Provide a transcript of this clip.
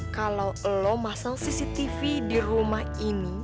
kalau lo masal cctv di rumah ini